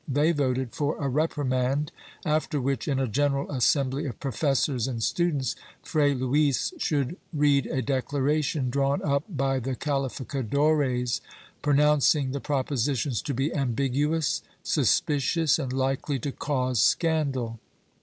They voted for a reprimand, after which, in a general assembly of professors and students, Fray Luis should read a declaration, drawn up by the calificadores, pronouncing the propositions to be ambiguous, sus picious and likely to cause scandal.